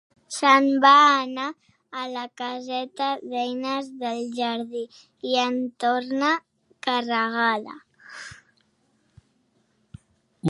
Se'n va anar a la caseta d'eines del jardí i en tornà carregada.